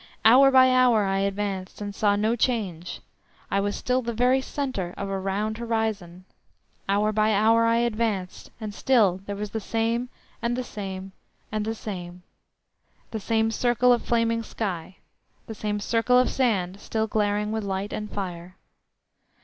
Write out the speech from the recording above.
Hour by hour I advanced, and saw no change—I was still the very centre of a round horizon; hour by hour I advanced, and still there was the same, and the same, and the same—the same circle of flaming sky—the same circle of sand still glaring with light and fire.